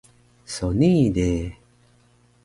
So nii de